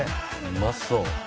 うまそう。